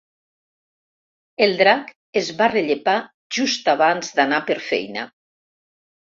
El drac es va rellepar just abans d'anar per feina.